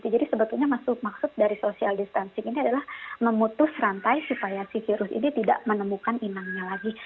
jadi sebetulnya maksud dari social distancing ini adalah memutus rantai supaya si virus ini tidak menemukan inangnya lagi